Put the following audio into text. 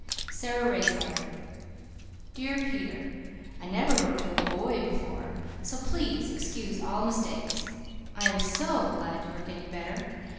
SARA RAY'S LETTER "DEAR PETER: I never wrote to A BOY before, so PLEASE excuse ALL mistakes. I am SO glad you are getting better.